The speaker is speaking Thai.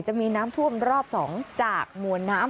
จะมีน้ำท่วมรอบ๒จากมวลน้ำ